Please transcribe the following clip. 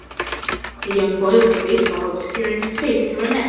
A young boy with a baseball obscuring his face through a net.